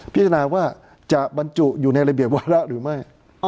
พิจารณาว่าจะบรรจุอยู่ในระเบียบวาระหรือไม่